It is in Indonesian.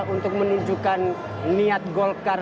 untuk menunjukkan niat golkar